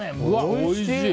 おいしい！